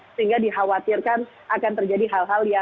sehingga dikhawatirkan akan terjadi hal hal yang tidak terjadi